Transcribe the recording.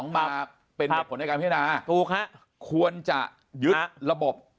มาเป็นเหตุผลในการพิจารณาถูกฮะควรจะยึดระบบ